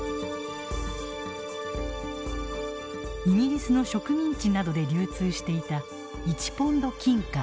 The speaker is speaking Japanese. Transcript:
イギリスの植民地などで流通していた１ポンド金貨。